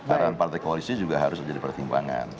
arahan partai koalisi juga harus menjadi pertimbangan